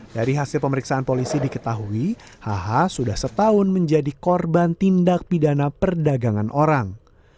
dari hasil pemeriksaan polisi diketahui hh sudah setahun menjadi korban tindak pidana perdagangan orang